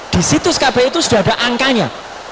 di situs kpu itu sudah ada angkanya